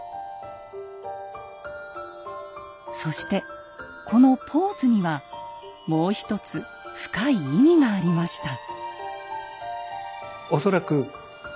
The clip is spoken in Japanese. そしてこのポーズにはもう一つ深い意味がありました。